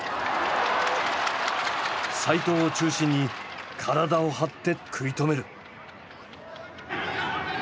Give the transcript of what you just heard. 齋藤を中心に体を張って食い止める。